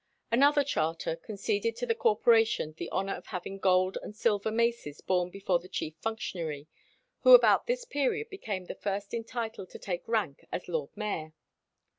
Another charter conceded to the Corporation the honour of having gold and silver maces borne before the chief functionary, who about this period became first entitled to take rank as lord mayor.